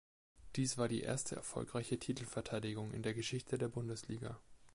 Dies war die erste erfolgreiche Titelverteidigung in der Geschichte der Bundesliga.